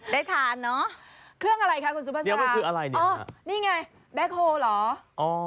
ได้ทานเนอะเครื่องอะไรคะคุณซุภาษานี่ไงแบ็คโฮล์เหรอ